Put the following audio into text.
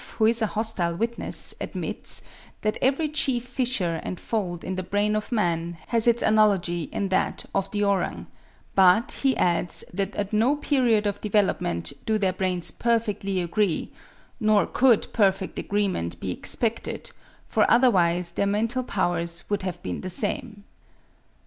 who is a hostile witness, admits that every chief fissure and fold in the brain of man has its analogy in that of the orang; but he adds that at no period of development do their brains perfectly agree; nor could perfect agreement be expected, for otherwise their mental powers would have been the same.